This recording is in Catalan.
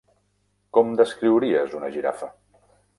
Com descriuries una girafa?